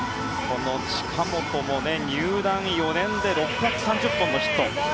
この近本も入団４年目で６３０本のヒット。